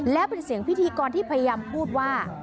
และเป็นเสียงพิธีกรที่พยายามพูดว่า